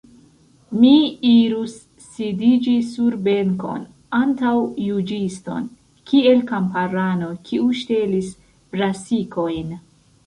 Mi irus sidiĝi sur benkon, antaŭ juĝiston, kiel kamparano, kiu ŝtelis brasikojn!